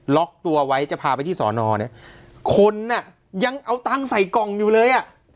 ล็อกตัวไว้จะพาไปที่สอนอเนี่ยคนอ่ะยังเอาตังค์ใส่กล่องอยู่เลยอ่ะ